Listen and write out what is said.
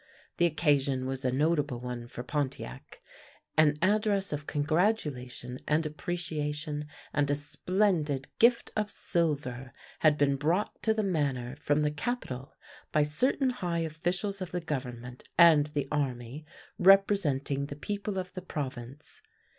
The occasion was a notable one for Pontiac. An address of congratulation and appreciation and a splendid gift of silver had been brought to the manor from the capi tal by certain high officials of the Government and the army, representing the people of the province.